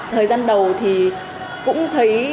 thời gian đầu thì cũng thấy